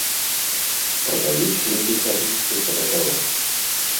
Прадаюць людзі чарніцы каля дарог.